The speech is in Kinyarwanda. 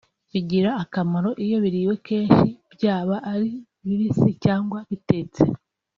bigira akamaro iyo biriwe kenshi byaba ari bibisi cyangwa bitetse